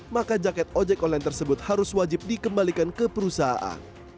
maka jaket ojek online tersebut harus wajib dikembalikan ke perusahaan